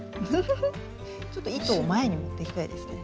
ちょっと糸を前に持ってきたいですね。